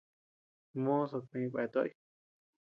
Mozo kueʼeñ kueatoʼoy.